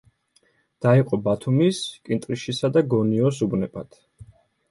დაიყო ბათუმის, კინტრიშისა და გონიოს უბნებად.